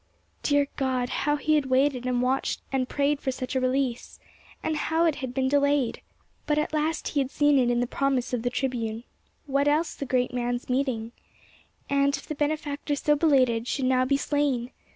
Dear God! How he had waited and watched and prayed for such a release! And how it had been delayed! But at last he had seen it in the promise of the tribune. What else the great man's meaning? And if the benefactor so belated should now be slain!